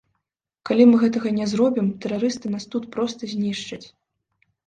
Калі мы гэтага не зробім, тэрарысты нас тут проста знішчаць.